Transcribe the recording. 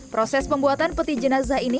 proses pembuatan peti jenazah ini